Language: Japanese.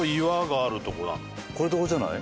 これとこれじゃない？